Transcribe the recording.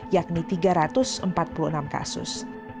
yakni tiga ratus empat puluh enam kasus